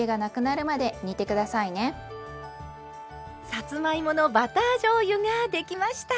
さつまいものバターじょうゆができました。